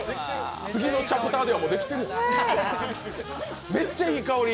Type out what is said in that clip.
次のチャプターではできてる！